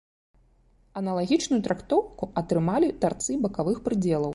Аналагічную трактоўку атрымалі тарцы бакавых прыдзелаў.